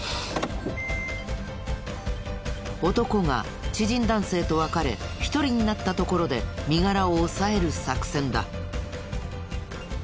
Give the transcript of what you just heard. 男が知人男性と別れ一人になったところで身柄を押さえる作戦だ。